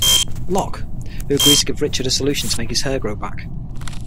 Lock, who agrees to give Richard a solution to make his hair grow back.